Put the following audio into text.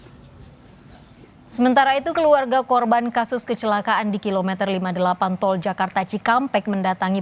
hai sementara itu keluarga korban kasus kecelakaan di kilometer lima puluh delapan tol jakarta cikampek mendatangi